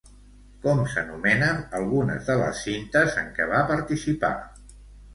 Com s'anomenen algunes de les cintes en què va participar?